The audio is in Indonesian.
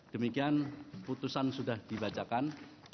demikian putusan sudah dibacakan